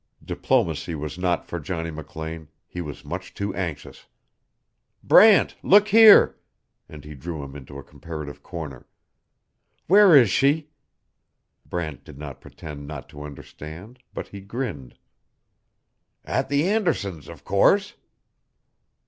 Diplomacy was not for Johnny McLean he was much too anxious. "Brant, look here," and he drew him into a comparative corner. "Where is she?" Brant did not pretend not to understand, but he grinned. "At the Andersons', of course."